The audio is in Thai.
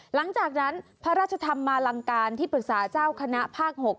หลังจากนั้นพระราชธรรมมาลังการที่ปรึกษาเจ้าคณะภาค๖